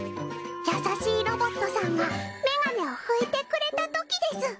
優しいロボットさんがメガネを拭いてくれたときです。